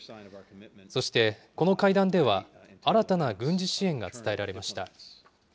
そして、この会談では新たな軍事支援が伝えられました。